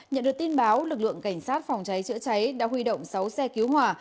nhận được tin báo lực lượng cảnh sát phòng cháy chữa cháy đã huy động sáu xe cứu hỏa